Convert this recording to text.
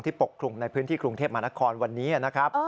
ปกคลุมในพื้นที่กรุงเทพมหานครวันนี้นะครับ